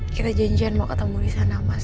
kita janjian mau ketemu disana mas